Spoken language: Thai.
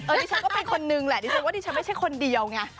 เออดิฉันก็เป็นคนนึงแหละดิฉันไม่ใช่คนเดียวไง